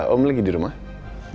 om lagi dirumah